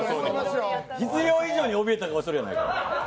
必要以上におびえた顔してるやないか。